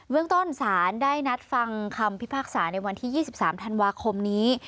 เรื่องต้นสารได้นัดฟังคำพิพากษาในวันที่๒๓ธันวาคมนี้